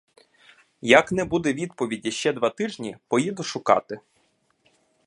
Як не буде відповіді ще два тижні, поїду шукати.